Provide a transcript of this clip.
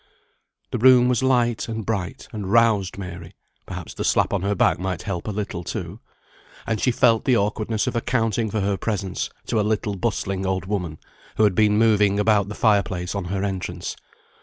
The room was light and bright, and roused Mary (perhaps the slap on her back might help a little, too), and she felt the awkwardness of accounting for her presence to a little bustling old woman who had been moving about the fire place on her entrance.